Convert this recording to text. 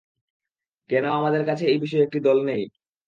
কেন আমাদের কাছে এই বিষয়ে একটি দল নেই?